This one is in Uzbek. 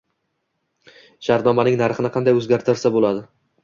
Shartnomaning narxini qanday o'zgartirsa bo'ladi?